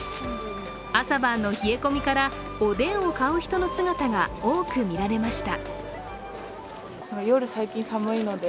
朝晩の冷え込みからおでんを買う人の姿が多く見られました。